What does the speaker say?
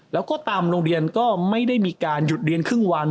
แล้วก็ตามโรงเรียนก็ไม่ได้มีการหยุดเรียนครึ่งวัน